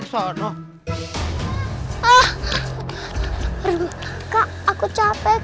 kak aku capek